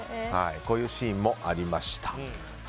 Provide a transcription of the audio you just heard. こういうシーンもありました。